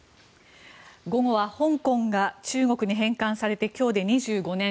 午後は、香港が中国に返還されて今日で２５年。